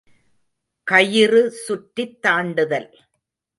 கயிறு சுற்றித் தாண்டுதல்.